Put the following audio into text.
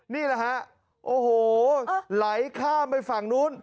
นี่แหละฮะโอ้โหไหลข้ามไปฝั่งนู้น